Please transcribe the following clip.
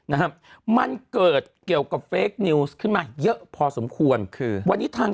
นะฮะมันเกิดเกี่ยวกับเฟคนิวส์ขึ้นมาเยอะพอสมควรคือวันนี้ทาง